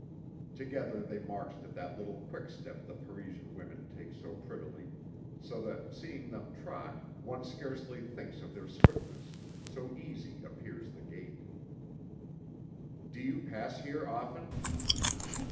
Together they marched at that little quick step the Parisian women take so prettily, so that seeing them trot, one scarcely thinks of their swiftness, so easy appears the gait. "Do you pass here often?"